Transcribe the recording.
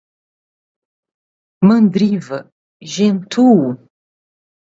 mandriva, gentoo